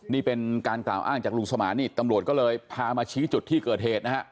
นี่เป็นการกล่าวอ้างจากลุงสมานนี่ตำรวจก็เลยพามาชี้จุดที่เกิดเหตุนะฮะ